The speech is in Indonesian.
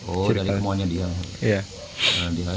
oh dari semuanya dia